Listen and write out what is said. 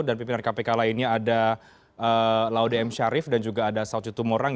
dan pimpinan kpk lainnya ada laude m syarif dan juga ada saud jatuh morang